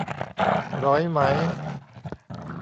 หรอยไหม